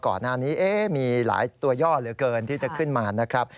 ก่อนหน้านี้มีหลายตัวย่อเหลือเกินที่จะขึ้นมานะครับ